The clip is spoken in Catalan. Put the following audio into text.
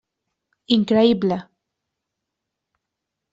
Increïble.